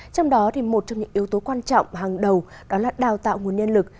trong đó một trong những yếu tố quan trọng hàng đầu đó là đào tạo nguồn nhân lực